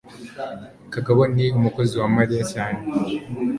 kagabo ni umukozi wa mariya cyane